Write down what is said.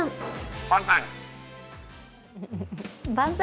万歳！